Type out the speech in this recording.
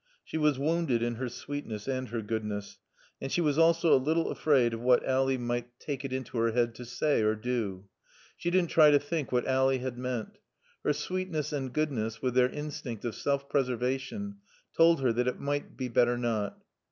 She was wounded in her sweetness and her goodness, and she was also a little afraid of what Ally might take it into her head to say or do. She didn't try to think what Ally had meant. Her sweetness and goodness, with their instinct of self preservation, told her that it might be better not.